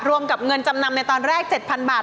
รวมกับเงินจำนำในตอนแรก๗๐๐บาท